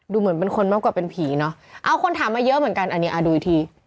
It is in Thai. เหมือนเป็นคนมากกว่าเป็นผีเนอะเอาคนถามมาเยอะเหมือนกันอันนี้อ่ะดูอีกที